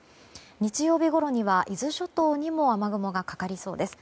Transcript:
日曜日ごろには伊豆諸島にも雨雲がかかりそうです。